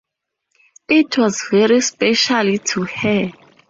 It was very special to her.